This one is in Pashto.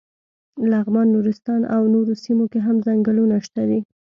لغمان، نورستان او نورو سیمو کې هم څنګلونه شته دي.